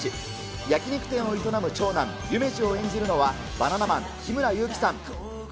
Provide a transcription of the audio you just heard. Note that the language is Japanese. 焼き肉店を営む長男、夢二を演じるのは、バナナマン・日村勇紀さん。